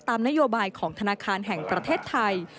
นโยบายของธนาคารแห่งประเทศไทย